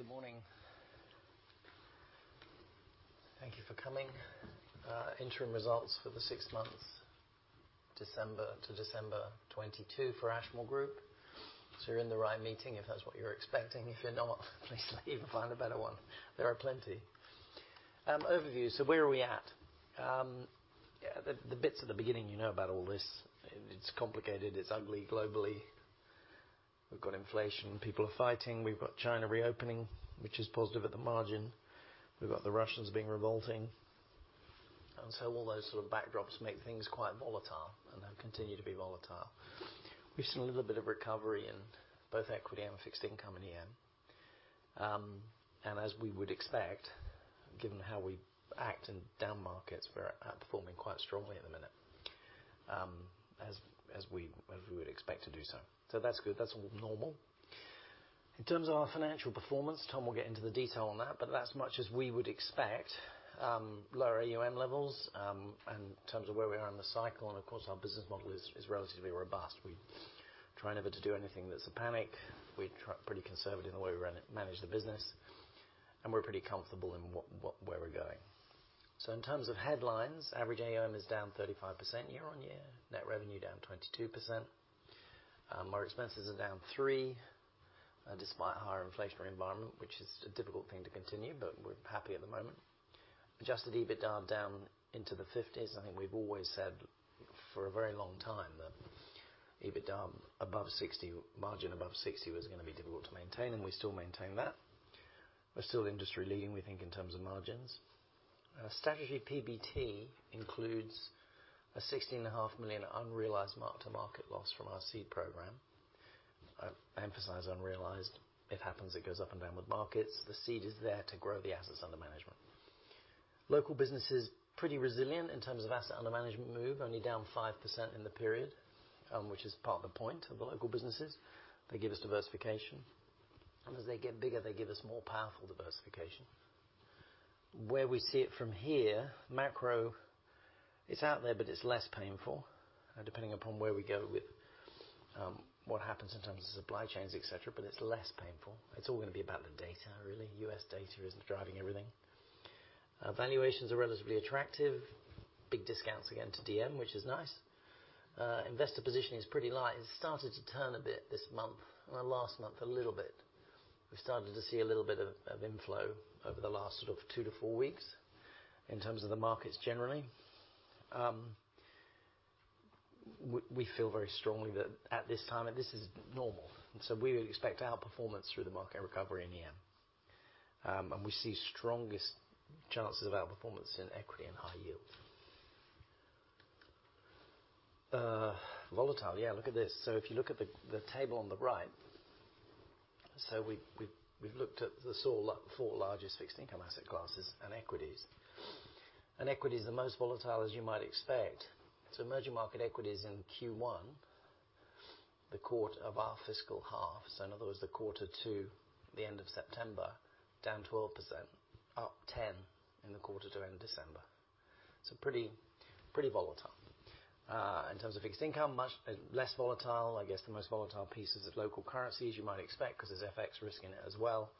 Good morning, good morning. Thank you for coming. interim results for the six months December to December 2022 for Ashmore Group. You're in the right meeting, if that's what you're expecting. If you're not, please leave, find a better one. There are plenty. overview, where are we at? the bits at the beginning, you know about all this. It's complicated, it's ugly globally. We've got inflation. People are fighting. We've got China reopening, which is positive at the margin. We've got the Russians being revolting. All those sort of backdrops make things quite volatile, and they'll continue to be volatile. We've seen a little bit of recovery in both equity and fixed income in EM. As we would expect, given how we act in down markets, we're performing quite strongly at the minute, as we would expect to do so. That's good. That's all normal. In terms of our financial performance, Tom will get into the detail on that, but that's much as we would expect. Lower AUM levels, and in terms of where we are in the cycle and of course our business model is relatively robust. We try never to do anything that's a panic. We try pretty conservative in the way we run it, manage the business, and we're pretty comfortable in what where we're going. In terms of headlines, average AUM is down 35% year-on-year. Net revenue down 22%. Our expenses are down 3, despite a higher inflationary environment, which is a difficult thing to continue. We're happy at the moment. Adjusted EBITDA down into the 50s. I think we've always said for a very long time that EBITDA above 60, margin above 60 was gonna be difficult to maintain. We still maintain that. We're still industry leading, we think, in terms of margins. Statutory PBT includes a sixteen and a half million unrealized mark-to-market loss from our seed program. I emphasize unrealized. It happens, it goes up and down with markets. The seed is there to grow the assets under management. Local business is pretty resilient in terms of asset under management move, only down 5% in the period, which is part of the point of the local businesses. They give us diversification. As they get bigger, they give us more powerful diversification. Where we see it from here, macro, it's out there, but it's less painful, depending upon where we go with what happens in terms of supply chains, et cetera, but it's less painful. It's all gonna be about the data, really. U.S. data is driving everything. Valuations are relatively attractive. Big discounts again to DM, which is nice. Investor positioning is pretty light. It started to turn a bit this month, or last month, a little bit. We started to see a little bit of inflow over the last sort of two to four weeks in terms of the markets generally. We feel very strongly that at this time, this is normal. We would expect outperformance through the market recovery in EM. We see strongest chances of outperformance in equity and high yield. Volatile. Yeah, look at this. If you look at the table on the right, we've looked at the four largest fixed income asset classes and equities. Equities are most volatile, as you might expect. Emerging market equities in Q1, the quarter of our fiscal half, in other words, the quarter to the end of September, down 12%, up 10% in the quarter to end of December. Pretty volatile. In terms of fixed income, much less volatile. I guess the most volatile piece is local currencies, you might expect, 'cause there's FX risk in it as well.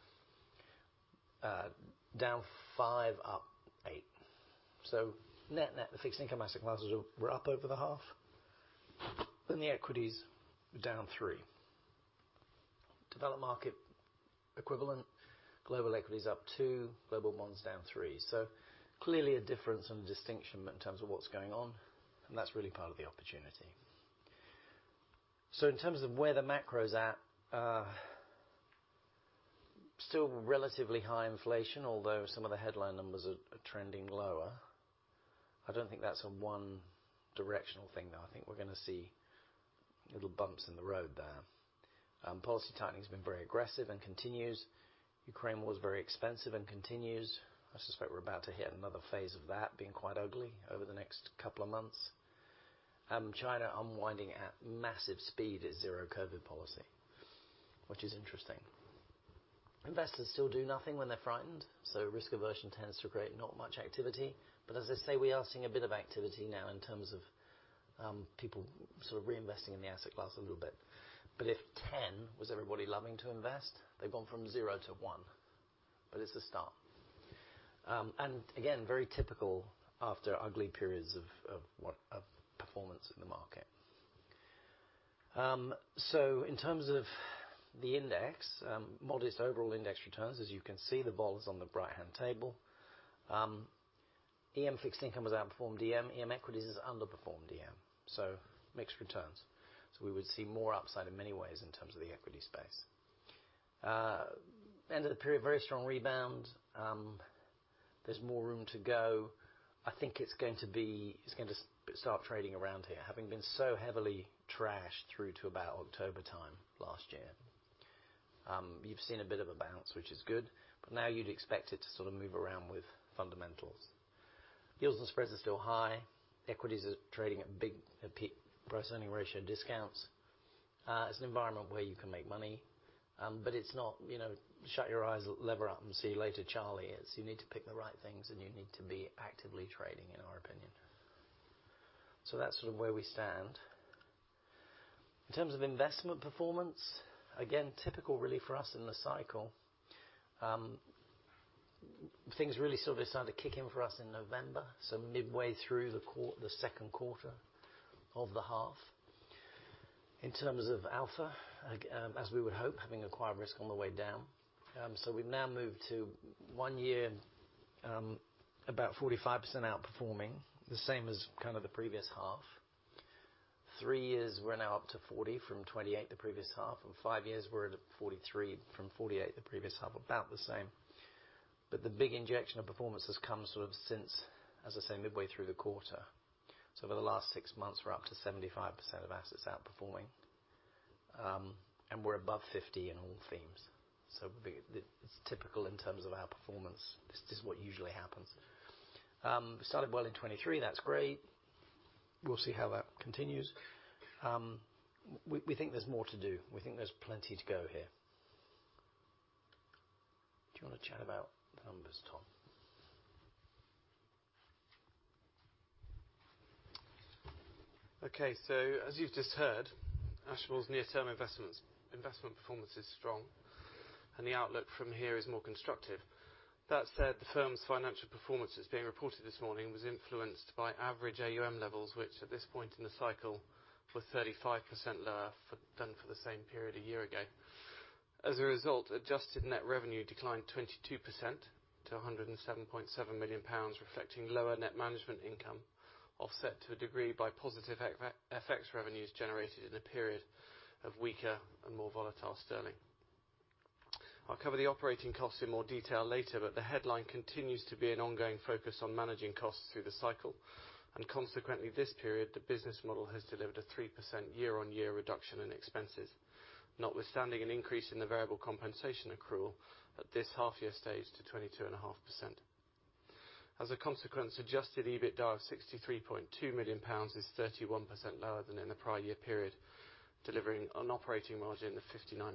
Down 5%, up 8%. Net, the fixed income asset classes were up over the half, then the equities were down 3%. Developed market equivalent, global equities up 2, global bonds down 3. Clearly a difference and a distinction in terms of what's going on, and that's really part of the opportunity. In terms of where the macro's at, still relatively high inflation, although some of the headline numbers are trending lower. I don't think that's a one directional thing, though. I think we're gonna see little bumps in the road there. Policy tightening's been very aggressive and continues. Ukraine War's very expensive and continues. I suspect we're about to hit another phase of that being quite ugly over the next couple of months. China unwinding at massive speed its zero COVID policy, which is interesting. Investors still do nothing when they're frightened, so risk aversion tends to create not much activity. As I say, we are seeing a bit of activity now in terms of, people sort of reinvesting in the asset class a little bit. If 10 was everybody loving to invest, they've gone from zero to one. It's a start. Again, very typical after ugly periods of performance in the market. In terms of the index, modest overall index returns. As you can see, the vol's on the right-hand table. EM fixed income has outperformed DM. EM equities has underperformed DM. Mixed returns. We would see more upside in many ways in terms of the equity space. End of the period, very strong rebound. There's more room to go. I think it's going to start trading around here, having been so heavily trashed through to about October time last year. You've seen a bit of a bounce, which is good, but now you'd expect it to sort of move around with fundamentals. Yields and spreads are still high. Equities are trading at peak price-earning ratio discounts. It's an environment where you can make money, but it's not, you know, shut your eyes, lever up and see you later, Charlie. You need to pick the right things, and you need to be actively trading, in our opinion. That's sort of where we stand. In terms of investment performance, again, typical really for us in the cycle. Things really sort of started to kick in for us in November, so midway through the second quarter of the half. In terms of alpha, as we would hope, having acquired risk on the way down. We've now moved to one year, about 45% outperforming, the same as kind of the previous half. Three years, we're now up to 40 from 28 the previous half, and five years, we're at 43 from 48 the previous half. About the same. The big injection of performance has come sort of since, as I say, midway through the quarter. Over the last six months, we're up to 75% of assets outperforming. We're above 50 in all themes. It's typical in terms of outperformance. This is what usually happens. We started well in 2023. That's great. We'll see how that continues. We think there's more to do. We think there's plenty to go here. Do you wanna chat about the numbers, Tom? As you've just heard, Ashmore's near-term investments, investment performance is strong, and the outlook from here is more constructive. That said, the firm's financial performance that's being reported this morning was influenced by average AUM levels, which at this point in the cycle were 35% lower than for the same period a year ago. As a result, adjusted net revenue declined 22% to 107.7 million pounds, reflecting lower net management income, offset to a degree by positive FX revenues generated in the period of weaker and more volatile sterling. I'll cover the operating costs in more detail later, but the headline continues to be an ongoing focus on managing costs through the cycle. Consequently this period, the business model has delivered a 3% year-on-year reduction in expenses. Notwithstanding an increase in the variable compensation accrual at this half-year stage to 22.5%. As a consequence, adjusted EBITDA of 63.2 million pounds is 31% lower than in the prior year period, delivering an operating margin of 59%.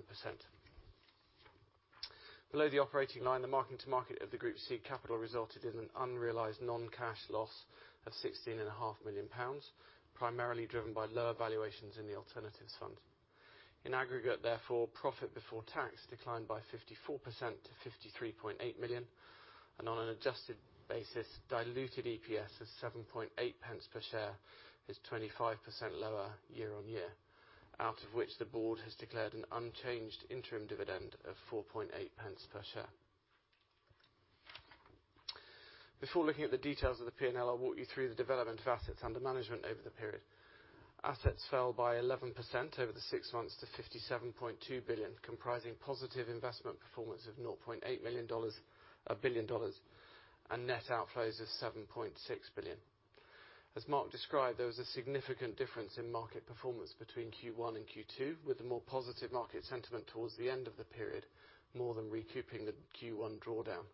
Below the operating line, the mark to market of the group's seed capital resulted in an unrealized non-cash loss of 16.5 million pounds, primarily driven by lower valuations in the alternative fund. In aggregate, therefore, profit before tax declined by 54% to 53.8 million, and on an adjusted basis, diluted EPS of 7.8 pence per share is 25% lower year on year, out of which the board has declared an unchanged interim dividend of 4.8 pence per share. Before looking at the details of the P&L, I'll walk you through the development of assets under management over the period. Assets fell by 11% over the six months to $57.2 billion, comprising positive investment performance of $0.8 billion, and net outflows of $7.6 billion. As Mark described, there was a significant difference in market performance between Q1 and Q2, with a more positive market sentiment towards the end of the period, more than recouping the Q1 drawdown.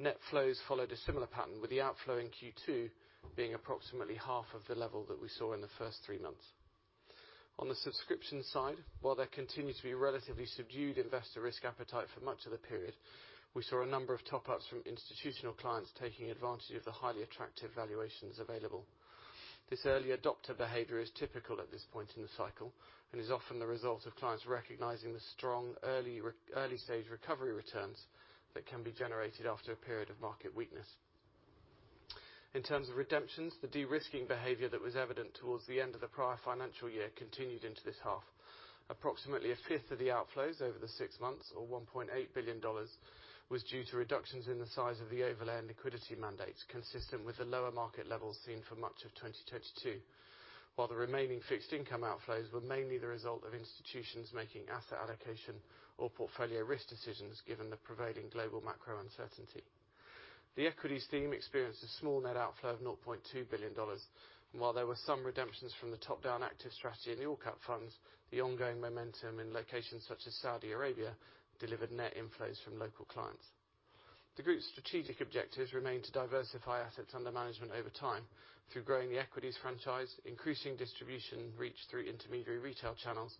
Net flows followed a similar pattern, with the outflow in Q2 being approximately half of the level that we saw in the first three months. On the subscription side, while there continued to be relatively subdued investor risk appetite for much of the period, we saw a number of top-ups from institutional clients taking advantage of the highly attractive valuations available. This early adopter behavior is typical at this point in the cycle and is often the result of clients recognizing the strong early-stage recovery returns that can be generated after a period of market weakness. In terms of redemptions, the de-risking behavior that was evident towards the end of the prior financial year continued into this half. Approximately a fifth of the outflows over the six months, or $1.8 billion, was due to reductions in the size of the overlay and liquidity mandates, consistent with the lower market levels seen for much of 2022. While the remaining fixed income outflows were mainly the result of institutions making asset allocation or portfolio risk decisions, given the prevailing global macro uncertainty. The equities team experienced a small net outflow of $0.2 billion. While there were some redemptions from the top-down active strategy in the All Cap funds, the ongoing momentum in locations such as Saudi Arabia delivered net inflows from local clients. The group's strategic objectives remain to diversify assets under management over time through growing the equities franchise, increasing distribution reach through intermediary retail channels,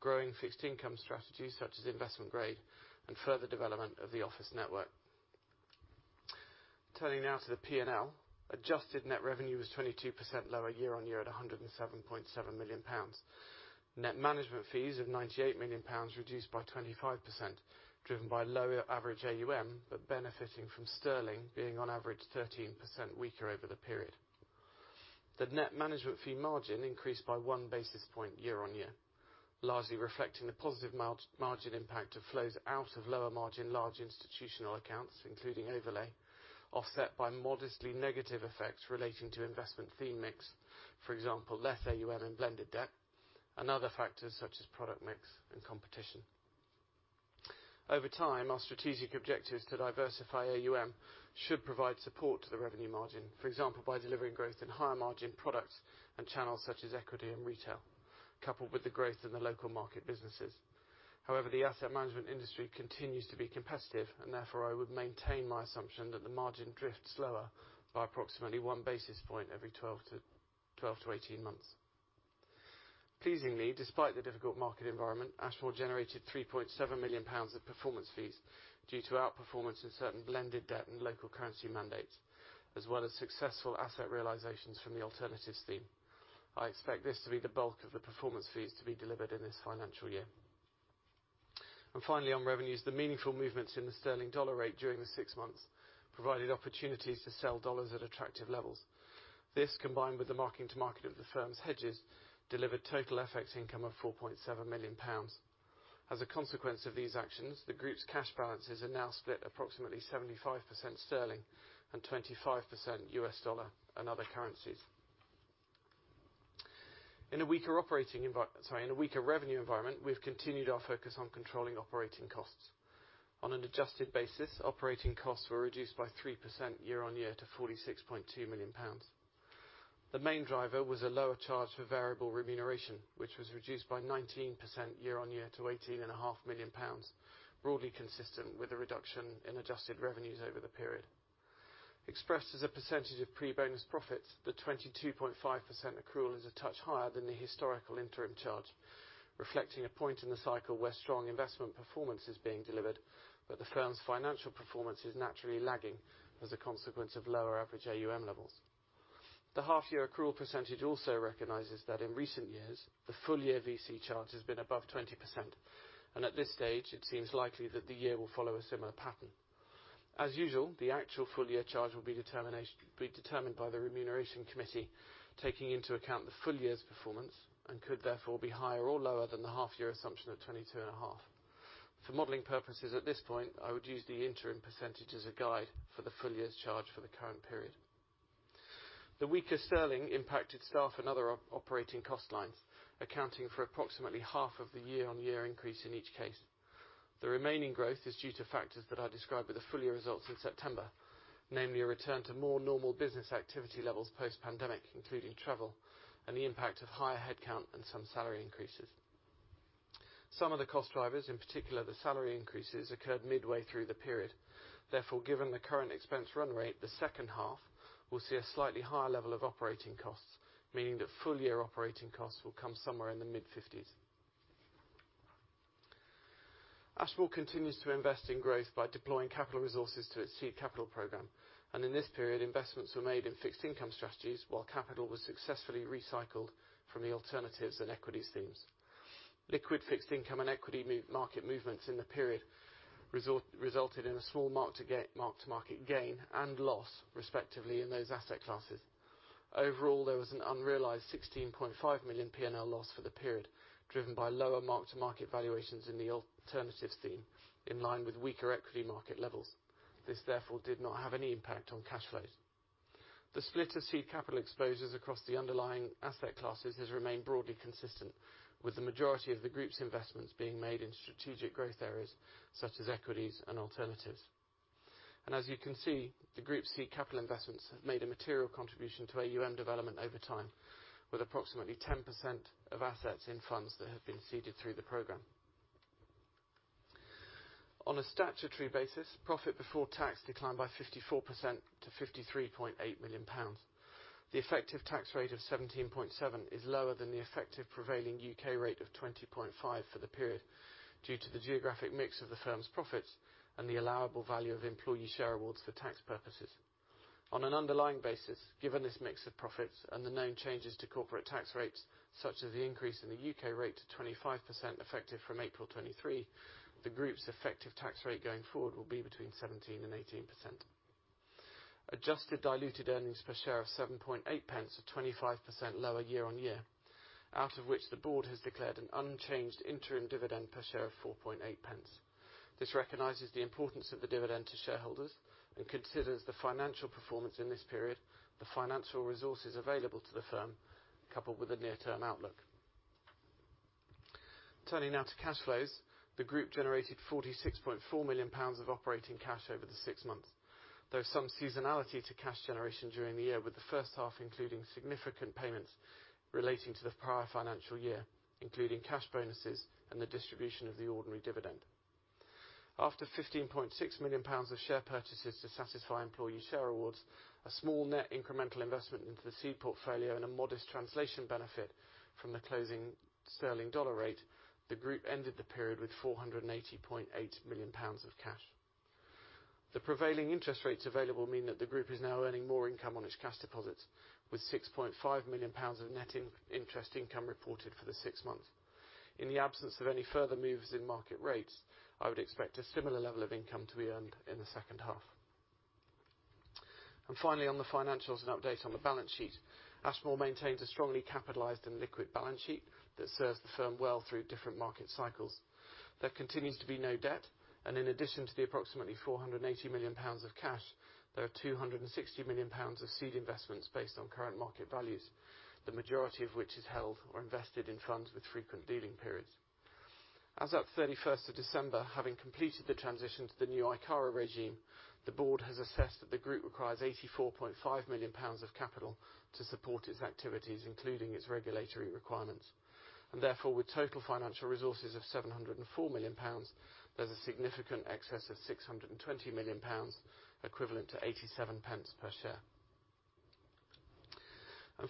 growing fixed income strategies such as investment grade, and further development of the office network. Turning now to the P&L. Adjusted net revenue was 22% lower year-on-year at 107.7 million pounds. Net management fees of 98 million pounds reduced by 25%, driven by lower average AUM, but benefiting from sterling being on average 13% weaker over the period. The net management fee margin increased by 1 basis point year-on-year, largely reflecting the positive margin impact of flows out of lower margin large institutional accounts, including overlay, offset by modestly negative effects relating to investment theme mix. For example, less AUM and blended debt and other factors such as product mix and competition. Over time, our strategic objectives to diversify AUM should provide support to the revenue margin. For example, by delivering growth in higher margin products and channels such as equity and retail, coupled with the growth in the local market businesses. The asset management industry continues to be competitive and therefore I would maintain my assumption that the margin drifts lower by approximately 1 basis point every 12 to 18 months. Despite the difficult market environment, Ashmore generated 3.7 million pounds of performance fees due to outperformance in certain blended debt and local currency mandates, as well as successful asset realizations from the alternatives theme. I expect this to be the bulk of the performance fees to be delivered in this financial year. Finally, on revenues, the meaningful movements in the sterling dollar rate during the 6 months provided opportunities to sell dollars at attractive levels. This, combined with the marking to market of the firm's hedges, delivered total FX income of 4.7 million pounds. As a consequence of these actions, the group's cash balances are now split approximately 75% sterling and 25% US dollar and other currencies. In a weaker revenue environment, we've continued our focus on controlling operating costs. On an adjusted basis, operating costs were reduced by 3% year-on-year to 46.2 million pounds. The main driver was a lower charge for variable remuneration, which was reduced by 19% year-on-year to eighteen and a half million pounds, broadly consistent with a reduction in adjusted revenues over the period. Expressed as a percentage of pre-bonus profits, the 22.5% accrual is a touch higher than the historical interim charge, reflecting a point in the cycle where strong investment performance is being delivered, but the firm's financial performance is naturally lagging as a consequence of lower average AUM levels. The half-year accrual percentage also recognizes that in recent years, the full-year VC charge has been above 20%, and at this stage, it seems likely that the year will follow a similar pattern. As usual, the actual full-year charge will be determined by the remuneration committee, taking into account the full year's performance and could therefore be higher or lower than the half-year assumption at 22.5%. For modeling purposes at this point, I would use the interim percentage as a guide for the full year's charge for the current period. The weaker sterling impacted staff and other operating cost lines, accounting for approximately half of the year-on-year increase in each case. The remaining growth is due to factors that I described with the full year results in September, namely a return to more normal business activity levels post-pandemic, including travel and the impact of higher headcount and some salary increases. Some of the cost drivers, in particular the salary increases, occurred midway through the period. Given the current expense run rate, the second half will see a slightly higher level of operating costs, meaning that full-year operating costs will come somewhere in the mid-fifties. Ashmore continues to invest in growth by deploying capital resources to its seed capital program, and in this period, investments were made in fixed income strategies while capital was successfully recycled from the alternatives and equity themes. Liquid fixed income and equity market movements in the period resulted in a small mark to market gain and loss, respectively, in those asset classes. Overall, there was an unrealized 16.5 million P&L loss for the period, driven by lower mark-to-market valuations in the alternatives theme, in line with weaker equity market levels. This therefore did not have any impact on cash flows. The split of seed capital exposures across the underlying asset classes has remained broadly consistent, with the majority of the group's investments being made in strategic growth areas such as equities and alternatives. As you can see, the group's seed capital investments have made a material contribution to AUM development over time, with approximately 10% of assets in funds that have been seeded through the program. On a statutory basis, profit before tax declined by 54% to 53.8 million pounds. The effective tax rate of 17.7% is lower than the effective prevailing UK rate of 20.5% for the period due to the geographic mix of the firm's profits and the allowable value of employee share awards for tax purposes. On an underlying basis, given this mix of profits and the known changes to corporate tax rates, such as the increase in the UK rate to 25% effective from April 2023, the group's effective tax rate going forward will be between 17% and 18%. Adjusted diluted earnings per share of 0.078 are 25% lower year-on-year, out of which the board has declared an unchanged interim dividend per share of 0.048. This recognizes the importance of the dividend to shareholders and considers the financial performance in this period, the financial resources available to the firm, coupled with the near-term outlook. Turning now to cash flows, the group generated 46.4 million pounds of operating cash over the six months. There is some seasonality to cash generation during the year, with the first half including significant payments relating to the prior financial year, including cash bonuses and the distribution of the ordinary dividend. After 15.6 million pounds of share purchases to satisfy employee share awards, a small net incremental investment into the seed portfolio and a modest translation benefit from the closing sterling dollar rate, the group ended the period with 480.8 million pounds of cash. The prevailing interest rates available mean that the group is now earning more income on its cash deposits, with 6.5 million pounds of net in-interest income reported for the 6 months. In the absence of any further moves in market rates, I would expect a similar level of income to be earned in the second half. Finally, on the financials and update on the balance sheet. Ashmore maintains a strongly capitalized and liquid balance sheet that serves the firm well through different market cycles. There continues to be no debt. In addition to the approximately 480 million pounds of cash, there are 260 million pounds of seed investments based on current market values, the majority of which is held or invested in funds with frequent dealing periods. As at 31st of December, having completed the transition to the new ICARA regime, the board has assessed that the group requires 84.5 million pounds of capital to support its activities, including its regulatory requirements. Therefore, with total financial resources of 704 million pounds, there's a significant excess of 620 million pounds, equivalent to 87 pence per share.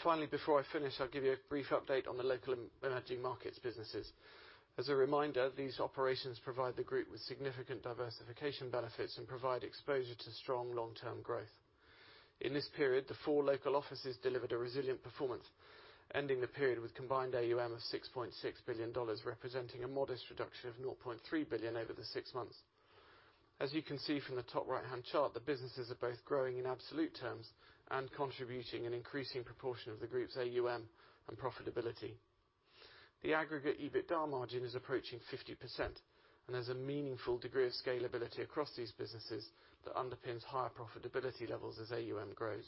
Finally, before I finish, I'll give you a brief update on the local emerging markets businesses. As a reminder, these operations provide the group with significant diversification benefits and provide exposure to strong long-term growth. In this period, the four local offices delivered a resilient performance, ending the period with combined AUM of $6.6 billion, representing a modest reduction of $0.3 billion over the six months. As you can see from the top right-hand chart, the businesses are both growing in absolute terms and contributing an increasing proportion of the group's AUM and profitability. The aggregate EBITDAR margin is approaching 50%, and there's a meaningful degree of scalability across these businesses that underpins higher profitability levels as AUM grows.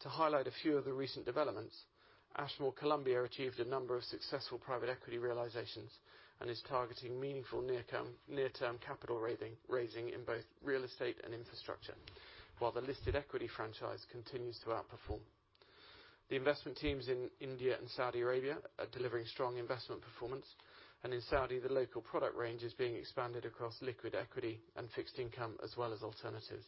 To highlight a few of the recent developments, Ashmore Colombia achieved a number of successful private equity realizations and is targeting meaningful near-term capital raising in both real estate and infrastructure, while the listed equity franchise continues to outperform. The investment teams in India and Saudi Arabia are delivering strong investment performance. In Saudi, the local product range is being expanded across liquid equity and fixed income, as well as alternatives.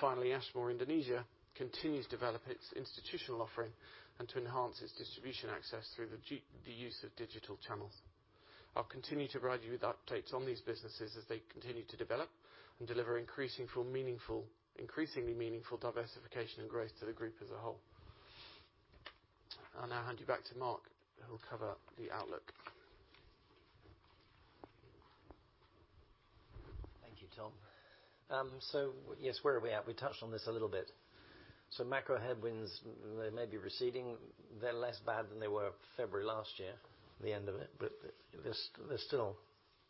Finally, Ashmore Indonesia continues to develop its institutional offering and to enhance its distribution access through the use of digital channels. I'll continue to provide you with updates on these businesses as they continue to develop and deliver increasingly meaningful diversification and growth to the group as a whole. I'll now hand you back to Mark, who will cover the outlook. Thank you, Tom. Yes, where are we at? We touched on this a little bit. Macro headwinds, they may be receding. They're less bad than they were February last year, the end of it. There's still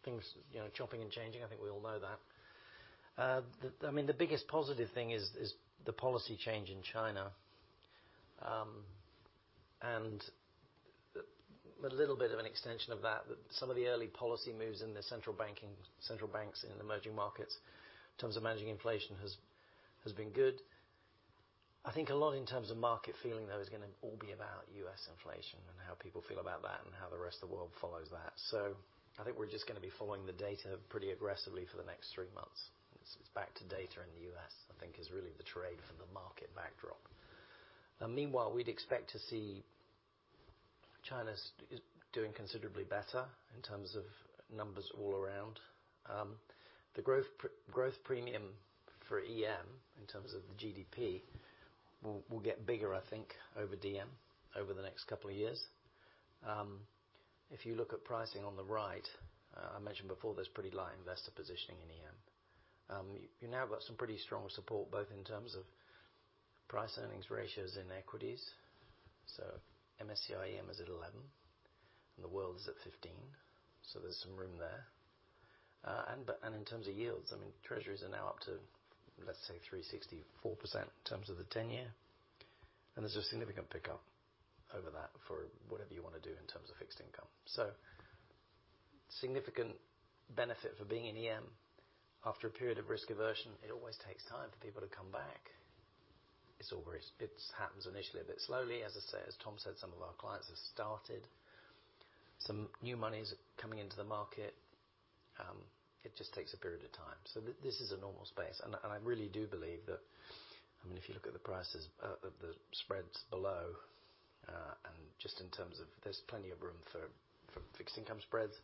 things, you know, chopping and changing. I think we all know that. I mean, the biggest positive thing is the policy change in China. A little bit of an extension of that, some of the early policy moves in the central banks in emerging markets in terms of managing inflation has been good. I think a lot in terms of market feeling, though, is gonna all be about U.S. inflation and how people feel about that and how the rest of the world follows that. I think we're just going to be following the data pretty aggressively for the next 3 months. It's back to data in the U.S., I think is really the trade from the market backdrop. Meanwhile, we'd expect to see China's doing considerably better in terms of numbers all around. The growth premium for EM, in terms of the GDP, will get bigger, I think, over DM over the next 2 years. If you look at pricing on the right, I mentioned before, there's pretty light investor positioning in EM. You now got some pretty strong support, both in terms of price earnings ratios in equities. MSCI EM is at 11 and the world is at 15, so there's some room there. In terms of yields, I mean, Treasuries are now up to, let's say, 3.64% in terms of the 10-year. There's a significant pickup over that for whatever you wanna do in terms of fixed income. Significant benefit for being in EM. After a period of risk aversion, it always takes time for people to come back. It's always. It happens initially a bit slowly. As I say, as Tom said, some of our clients have started. Some new money is coming into the market, it just takes a period of time. This is a normal space. I really do believe that, I mean, if you look at the prices, the spreads below, and just in terms of there's plenty of room for fixed income spreads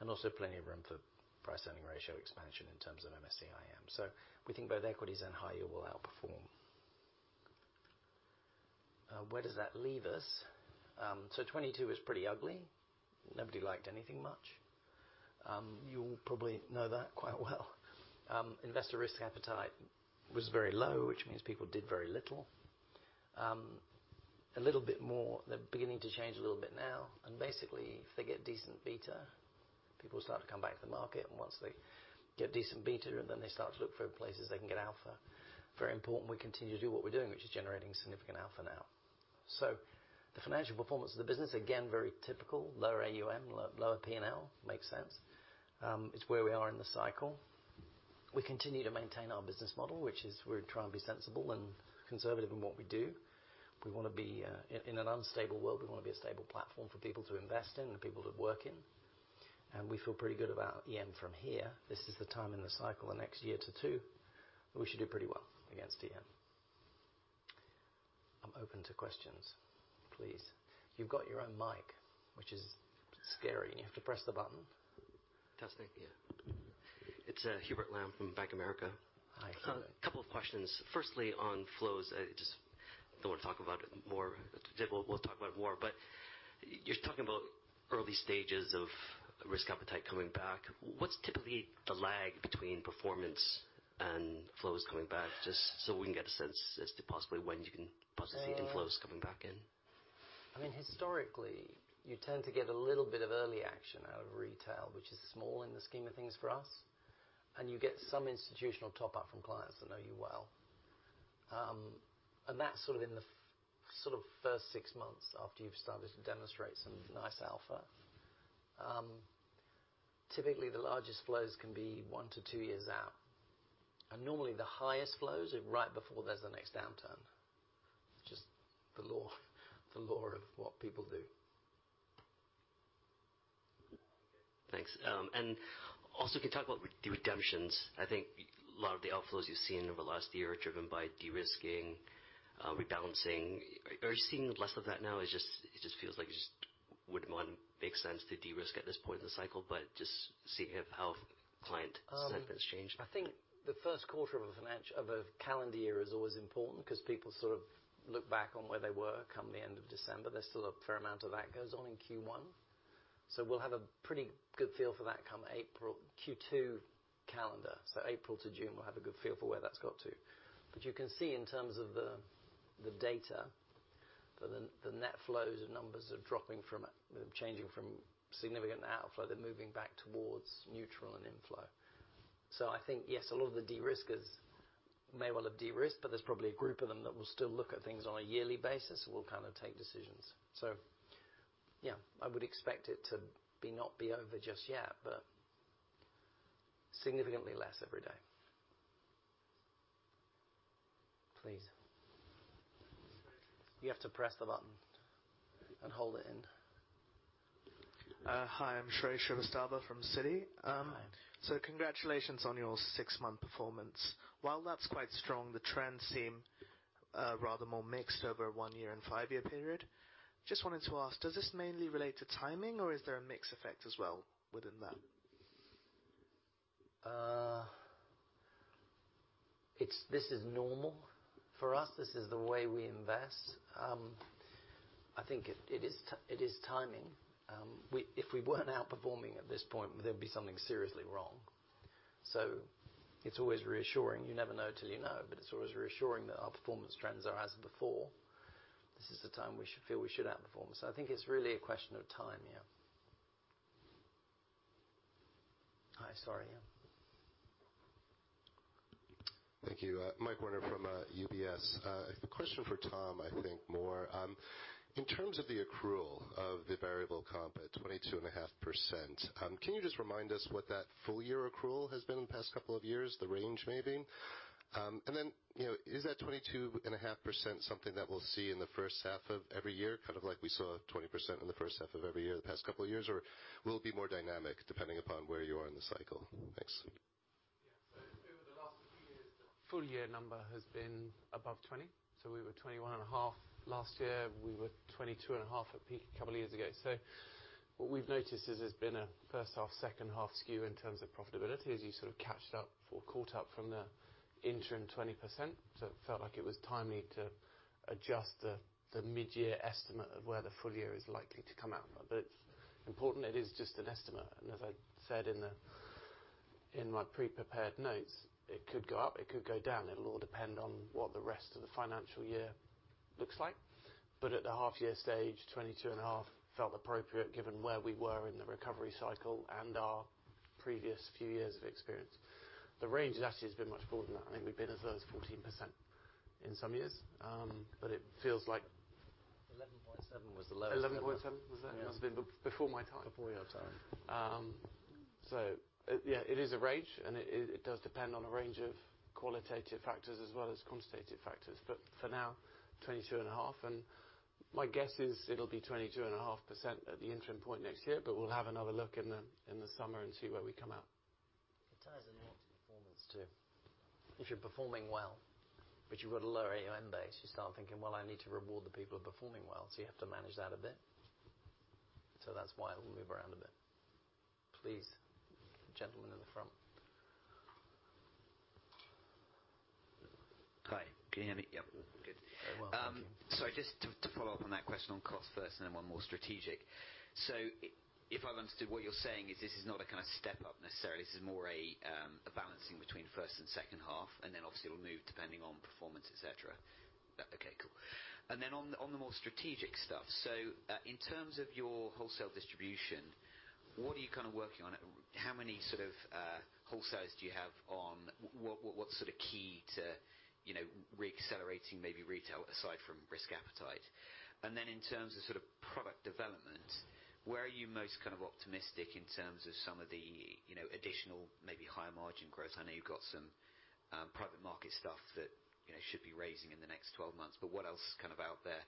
and also plenty of room for price-earning ratio expansion in terms of MSCI EM. We think both equities and high yield will outperform. Where does that leave us? 2022 was pretty ugly. Nobody liked anything much. You'll probably know that quite well. Investor risk appetite was very low, which means people did very little. They're beginning to change a little bit now. Basically, if they get decent beta, people will start to come back to the market. Once they get decent beta, then they start to look for places they can get alpha. Very important we continue to do what we're doing, which is generating significant alpha now. The financial performance of the business, again, very typical. Lower AUM, lower P&L. Makes sense. It's where we are in the cycle. We continue to maintain our business model, which is we're trying to be sensible and conservative in what we do. We wanna be, in an unstable world, we wanna be a stable platform for people to invest in and people to work in. We feel pretty good about EM from here. This is the time in the cycle, the next year to 2, we should do pretty well against EM. I'm open to questions, please. You've got your own mic, which is scary. You have to press the button. Testing. Yeah. It's Hubert Lam from Bank of America. Hi, Hubert. A couple of questions. Firstly, on flows. Just don't wanna talk about it more today, we'll talk about it more. You're talking about early stages of risk appetite coming back. What's typically the lag between performance and flows coming back? Just so we can get a sense as to possibly when you can possibly see the flows coming back in. I mean, historically, you tend to get a little bit of early action out of retail, which is small in the scheme of things for us, and you get some institutional top up from clients that know you well. That's sort of in the sort of first six months after you've started to demonstrate some nice alpha. Typically, the largest flows can be 1-2 years out, and normally the highest flows are right before there's the next downturn. Just the law of what people do. Thanks. Also can you talk about redemptions? I think a lot of the outflows you've seen over the last year are driven by de-risking, rebalancing. Are you seeing less of that now? It feels like it wouldn't make sense to de-risk at this point in the cycle, but just seeing if how client sentiment's changed. I think the first quarter of a calendar year is always important 'cause people sort of look back on where they were come the end of December. There's still a fair amount of that goes on in Q1. We'll have a pretty good feel for that come April, Q2 calendar. April to June, we'll have a good feel for where that's got to. You can see in terms of the data that the net flows and numbers are dropping from, changing from significant outflow, they're moving back towards neutral and inflow. I think, yes, a lot of the de-riskers may well have de-risked, but there's probably a group of them that will still look at things on a yearly basis, will kind of take decisions. Yeah, I would expect it to be not be over just yet, but significantly less every day. Please. You have to press the button and hold it in. Hi, I'm Shrey Srivastava from Citi. Hi. Congratulations on your 6-month performance. While that's quite strong, the trends seem rather more mixed over a 1-year and 5-year period. Just wanted to ask, does this mainly relate to timing, or is there a mix effect as well within that? This is normal. For us, this is the way we invest. I think it is timing. If we weren't outperforming at this point, there'd be something seriously wrong. It's always reassuring. You never know till you know, but it's always reassuring that our performance trends are as before. This is the time we should feel we should outperform. I think it's really a question of time. Yeah. Hi. Sorry. Yeah. Thank you. Mike Warner from UBS. A question for Tom, I think more. In terms of the accrual of the variable comp at 22.5%, can you just remind us what that full year accrual has been in the past couple of years, the range maybe? You know, is that 22.5% something that we'll see in the first half of every year, kind of like we saw 20% in the first half of every year the past couple of years? Or will it be more dynamic depending upon where you are in the cycle? Thanks. Yeah. Over the last few years, the full year number has been above 20%. We were 21.5% last year. We were 22.5% at peak a couple of years ago. What we've noticed is there's been a first half, second half skew in terms of profitability as you sort of caught up from the interim 20%. It felt like it was timely to adjust the mid-year estimate of where the full year is likely to come out. It's important, it is just an estimate. As I said in my pre-prepared notes, it could go up, it could go down. It'll all depend on what the rest of the financial year looks like. At the half year stage, 22.5% felt appropriate given where we were in the recovery cycle and our previous few years of experience. The range has actually been much more than that. I think we've been as low as 14% in some years. It feels like... 11.7 was the lowest. 11.7 was that? Yeah. That's been before my time. Before your time. Yeah, it is a range, and it does depend on a range of qualitative factors as well as quantitative factors. For now, 22.5%, and my guess is it'll be 22.5% at the interim point next year. We'll have another look in the summer and see where we come out. It ties in your performance too. If you're performing well, but you've got a lower AUM base, you start thinking, "Well, I need to reward the people performing well," so you have to manage that a bit. That's why we move around a bit. Please, gentleman in the front. Hi, can you hear me? Yep. Good. Very well. Thank you. Just to follow up on that question on cost first and then one more strategic. If I've understood what you're saying is this is not a kind of step-up necessarily, this is more a balancing between first and second half, and then obviously it'll move depending on performance, et cetera. Okay, cool. On the more strategic stuff. In terms of your wholesale distribution, what are you kind of working on? How many sort of wholesalers do you have on? What's sort of key to, you know, re-accelerating maybe retail aside from risk appetite? In terms of sort of product development, where are you most kind of optimistic in terms of some of the, you know, additional maybe higher margin growth? I know you've got some private market stuff that, you know, should be raising in the next 12 months. What else kind of out there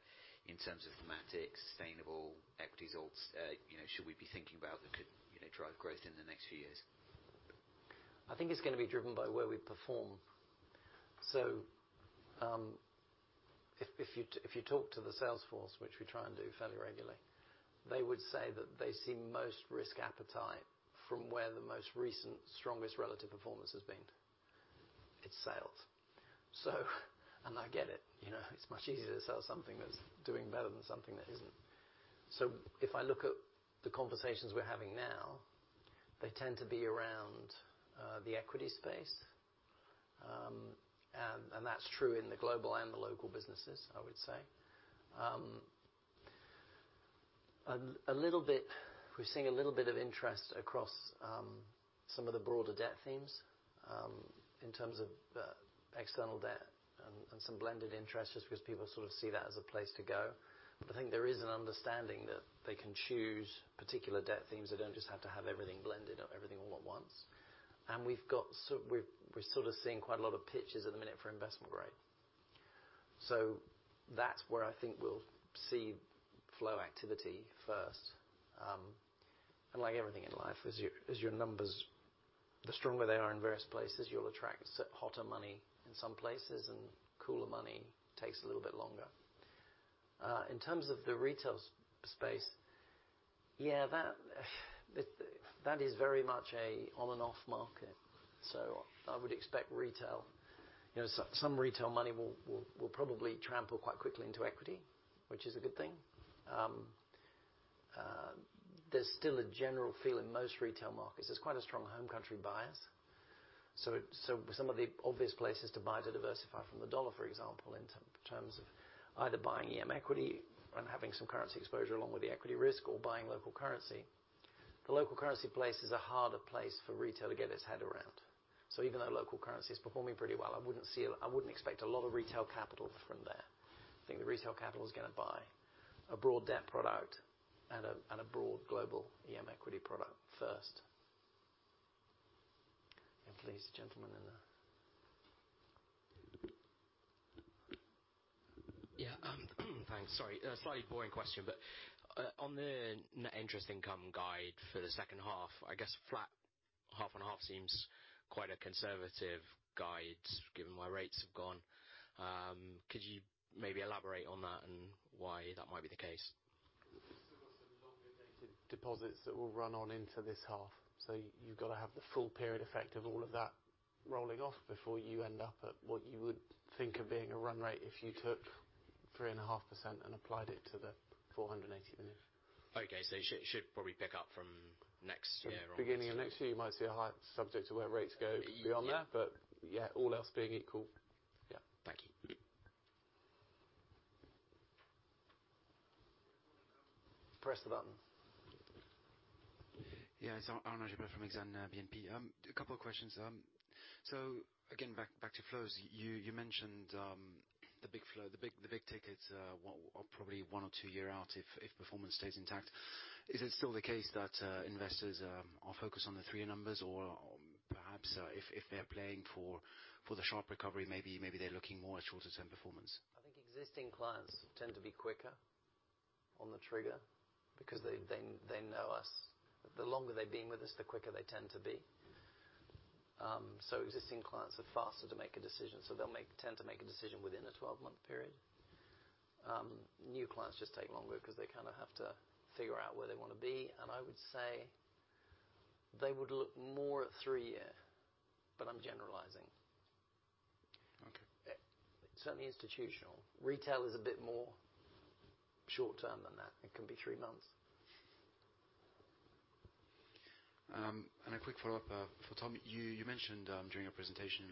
in terms of thematic, sustainable equity results, you know, should we be thinking about that could, you know, drive growth in the next few years? I think it's gonna be driven by where we perform. If you talk to the sales force, which we try and do fairly regularly, they would say that they see most risk appetite from where the most recent strongest relative performance has been. It's sales. I get it. You know, it's much easier to sell something that's doing better than something that isn't. If I look at the conversations we're having now, they tend to be around the equity space. That's true in the global and the local businesses, I would say. We're seeing a little bit of interest across some of the broader debt themes in terms of external debt and some blended interests just because people sort of see that as a place to go. I think there is an understanding that they can choose particular debt themes. They don't just have to have everything blended. We're sort of seeing quite a lot of pitches at the minute for investment grade. That's where I think we'll see flow activity first. Like everything in life, as your numbers, the stronger they are in various places, you'll attract hotter money in some places, and cooler money takes a little bit longer. In terms of the retail space, yeah, that is very much a on and off market. I would expect retail, you know, so some retail money will probably trample quite quickly into equity, which is a good thing. There's still a general feel in most retail markets. There's quite a strong home country bias. Some of the obvious places to buy to diversify from the dollar, for example, in terms of either buying EM equity and having some currency exposure along with the equity risk or buying local currency. The local currency place is a harder place for retail to get its head around. Even though local currency is performing pretty well, I wouldn't expect a lot of retail capital from there. I think the retail capital is gonna buy a broad debt product and a broad global EM equity product first. Yeah, please, gentleman in the... Thanks. Sorry. A slightly boring question, but on the net interest income guide for the second half, I guess flat half and half seems quite a conservative guide given where rates have gone. Could you maybe elaborate on that and why that might be the case? There's still got some longer-dated deposits that will run on into this half. You've gotta have the full period effect of all of that rolling off before you end up at what you would think of being a run rate if you took 3.5% and applied it to the 480 million. Okay. It should probably pick up from next year on. Beginning of next year, you might see a high subject to where rates go beyond that. Yeah. yeah, all else being equal. Yeah. Thank you. Press the button. Yeah. It's Arnaud Giblat from Exane BNP. A couple of questions. Again, back to flows. You mentioned the big tickets are probably one or two year out if performance stays intact. Is it still the case that investors are focused on the three numbers or perhaps if they're playing for the sharp recovery, maybe they're looking more at shorter-term performance? I think existing clients tend to be quicker on the trigger because they know us. The longer they've been with us, the quicker they tend to be. Existing clients are faster to make a decision, so they'll tend to make a decision within a 12-month period. New clients just take longer because they kinda have to figure out where they wanna be. I would say they would look more at 3 year, but I'm generalizing. Okay. Certainly institutional. Retail is a bit more short term than that. It can be three months. A quick follow-up for Tom. You mentioned during your presentation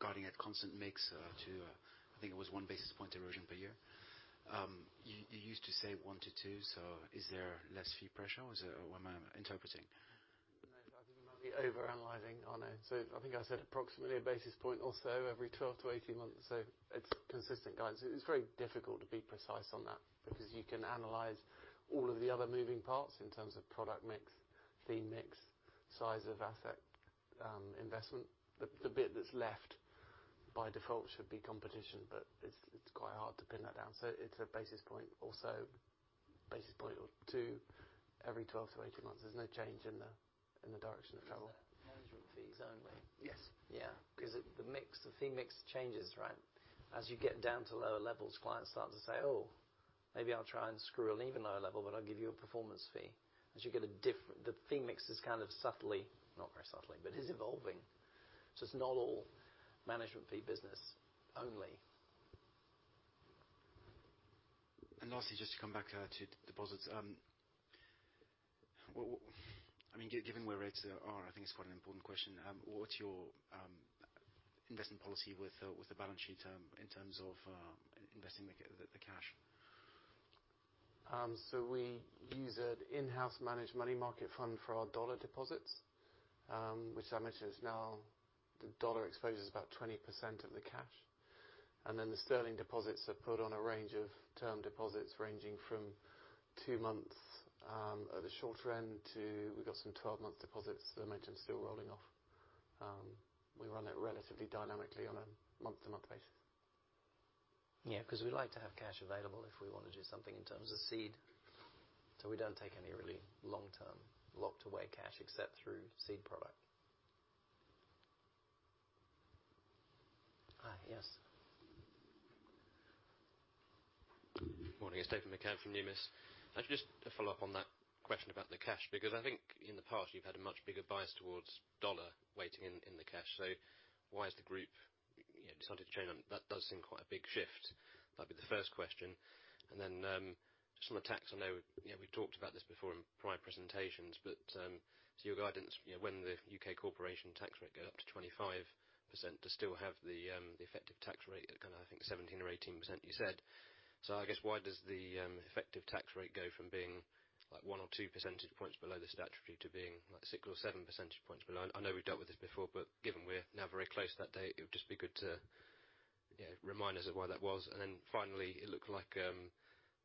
guiding at constant mix to, I think it was 1 basis point erosion per year. You used to say 1 to 2, is there less fee pressure, or am I interpreting? No. I think you might be overanalyzing, Arnaud. I think I said approximately a basis point or so every 12 to 18 months. It's consistent guidance. It's very difficult to be precise on that because you can analyze all of the other moving parts in terms of product mix, fee mix, size of asset, investment. The bit that's left by default should be competition, but it's quite hard to pin that down. It's a basis point or so, basis point or two every 12 to 18 months. There's no change in the direction of travel. Is that management fees only? Yes. Yeah. Because the mix, the fee mix changes, right? As you get down to lower levels, clients start to say, "Oh, maybe I'll try and screw an even lower level, but I'll give you a performance fee." As you get The fee mix is kind of subtly, not very subtly, but is evolving. It's not all management fee business only. Lastly, just to come back to deposits. I mean, given where rates are, I think it's quite an important question. What's your investment policy with the balance sheet in terms of investing the cash? We use an in-house managed money market fund for our USD deposits, which I mentioned is now the USD exposure is about 20% of the cash. The GBP deposits are put on a range of term deposits ranging from 2 months, at the shorter end to we've got some 12-month deposits that I mentioned are still rolling off. We run it relatively dynamically on a month-to-month basis. Yeah, 'cause we like to have cash available if we wanna do something in terms of seed. We don't take any really long-term locked away cash except through seed product. Yes. Morning. It's David McCann from Numis. Just to follow up on that question about the cash, because I think in the past you've had a much bigger bias towards dollar weighting in the cash. Why has the group, you know, decided to change? That does seem quite a big shift. That'd be the first question. Just on the tax, I know, you know, we've talked about this before in prior presentations, but, so your guidance, you know, when the UK corporation tax rate goes up to 25% to still have the effective tax rate at kinda, I think 17% or 18% you said. I guess why does the effective tax rate go from being, like, 1 or 2 percentage points below the statutory to being, like, 6 or 7 percentage points below? I know we've dealt with this before, given we're now very close to that date, it would just be good to, Yeah, remind us of why that was. Finally, it looked like the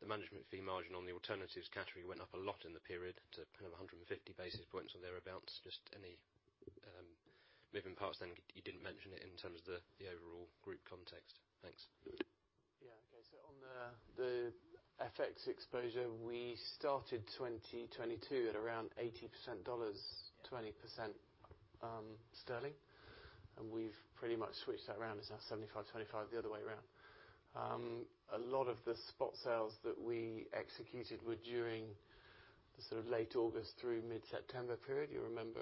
management fee margin on the alternatives category went up a lot in the period to kind of 150 basis points or thereabouts. Just any moving parts then you didn't mention it in terms of the overall group context. Thanks. Okay. On the FX exposure, we started 2022 at around 80% USD, 20% GBP. We've pretty much switched that around. It's now 75-25, the other way around. A lot of the spot sales that we executed were during the sort of late August through mid-September period. You remember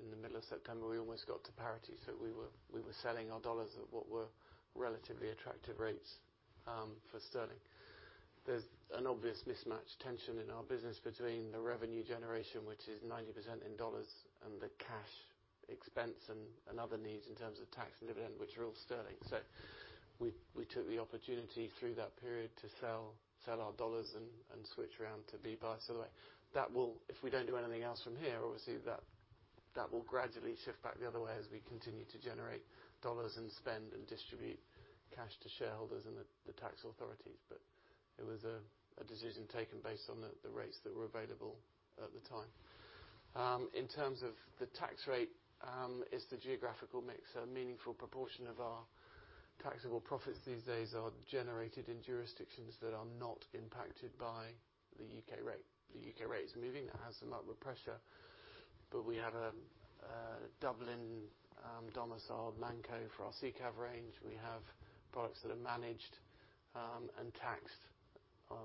in the middle of September, we almost got to parity, so we were selling our USD at what were relatively attractive rates for GBP. There's an obvious mismatch tension in our business between the revenue generation, which is 90% in USD, and the cash expense and other needs in terms of tax and dividend, which are all GBP. We took the opportunity through that period to sell our USD and switch around to be buy. If we don't do anything else from here, obviously that will gradually shift back the other way as we continue to generate dollars and spend and distribute cash to shareholders and the tax authorities. It was a decision taken based on the rates that were available at the time. In terms of the tax rate, is the geographical mix. A meaningful proportion of our taxable profits these days are generated in jurisdictions that are not impacted by the U.K. rate. The U.K. rate is moving. That adds some upward pressure. We have a Dublin domiciled ManCo for our ICAV range. We have products that are managed and taxed.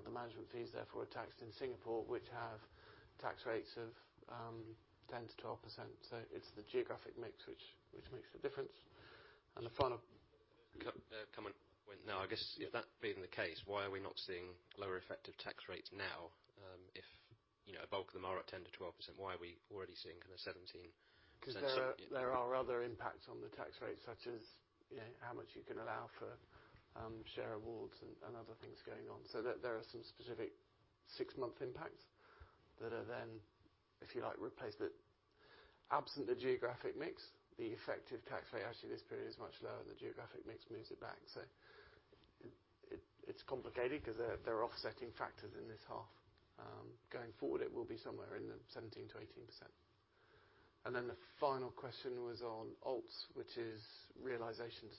The management fees, therefore, are taxed in Singapore, which have tax rates of 10%-12%. It's the geographic mix which makes a difference. The final- Comment. Now I guess if that being the case, why are we not seeing lower effective tax rates now, if, you know, a bulk of them are at 10%-12%, why are we already seeing kind of 17%? Because there are other impacts on the tax rate, such as, you know, how much you can allow for, share awards and other things going on. There are some specific six-month impacts that are then, if you like, replaced. Absent the geographic mix, the effective tax rate actually this period is much lower, and the geographic mix moves it back. It's complicated 'cause there are offsetting factors in this half. Going forward, it will be somewhere in the 17%-18%. Then the final question was on alts, which is realizations.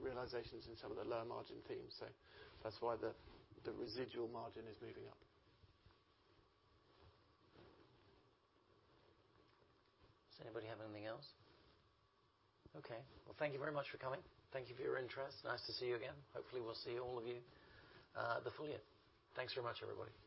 Realizations in some of the lower margin themes. That's why the residual margin is moving up. Does anybody have anything else? Okay. Well, thank you very much for coming. Thank you for your interest. Nice to see you again. Hopefully, we'll see all of you before the new year. Thanks very much, everybody.